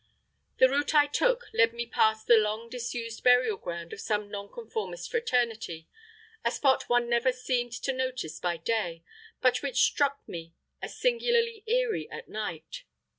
The route I took, led me past the long disused burial ground of some Nonconformist Fraternity, a spot one never seemed to notice by day, but which struck me as singularly eerie at night.